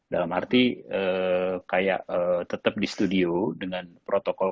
dalam arti kayak tetap di studio dengan protokol covid sembilan belas